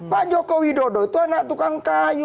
pak jokowi dodo itu anak tukang kayu